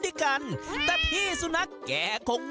วิธีแบบไหนไปดูกันเล็ก